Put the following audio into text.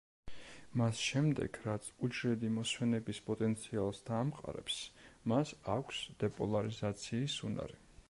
მას შემდეგ, რაც უჯრედი მოსვენების პოტენციალს დაამყარებს, მას აქვს დეპოლარიზაციის უნარი.